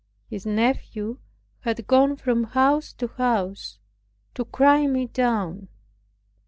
His nephew had gone from house to house to cry me down.